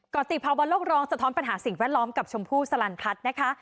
กรติภาวะโลกร้องสะท้อนปัญหาสิ่งแวดล้อมกับชมพู่สลันพัฒน์นะคะ